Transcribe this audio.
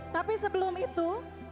tapi sebelum itu